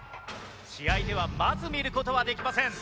試合ではまず見る事はできません。